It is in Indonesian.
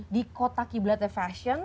di kotak kiblat fashion